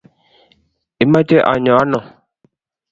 imeche anyo ano?